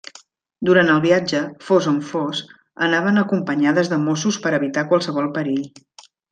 Durant el viatge, fos on fos, anaven acompanyades de mossos per evitar qualsevol perill.